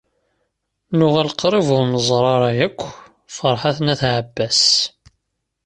Nuɣal qrib ur nẓerr ara akk Ferḥat n At Ɛebbas.